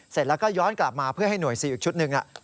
เสร็จแล้วก็ย้อนกลับมาเพื่อให้หน่วยซีลอีกชุดหนึ่ง